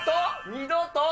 二度と？